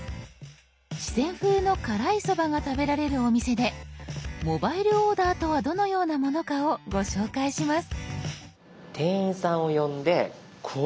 四川風の辛いソバが食べられるお店で「モバイルオーダー」とはどのようなものかをご紹介します。